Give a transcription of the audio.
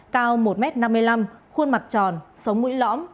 cao một m năm mươi năm khuôn mặt tròn sống mũi lõm